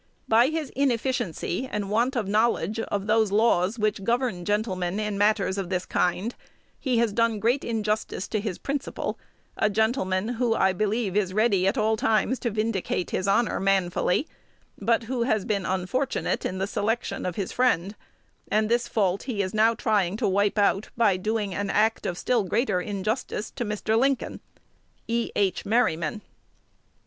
By his inefficiency, and want of knowledge of those laws which govern gentlemen in matters of this kind, he has done great injustice to his principal, a gentleman who I believe is ready at all times to vindicate his honor manfully, but who has been unfortunate in the selection of his friend; and this fault he is now trying to wipe out by doing an act of still greater injustice to Mr. Lincoln. E. H. Merryman.